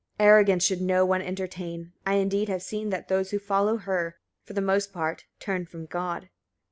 15. Arrogance should no one entertain: I indeed have seen that those who follow her, for the most part, turn from God.